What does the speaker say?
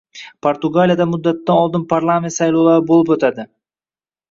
Portugaliyada muddatidan oldin parlament saylovlari bo‘lib o‘tading